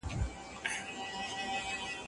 د بنده حق ډېر سخت دی.